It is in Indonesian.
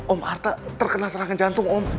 om artha terkena serangan jantung om